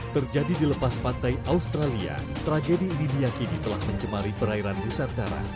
terjadi di lepas pantai australia tragedi ini diakini telah mencemari perairan nusantara